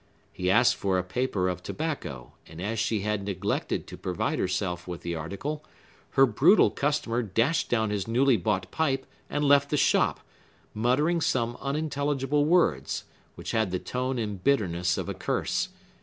He asked for a paper of tobacco; and as she had neglected to provide herself with the article, her brutal customer dashed down his newly bought pipe and left the shop, muttering some unintelligible words, which had the tone and bitterness of a curse.